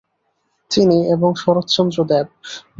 তিনি এবং শরচ্চন্দ্র দেব।